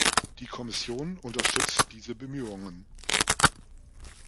Die Kommission unterstützt diese Bemühungen.